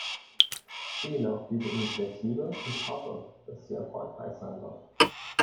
Ich zähle auf diese Initiative und hoffe, dass sie erfolgreich sein wird.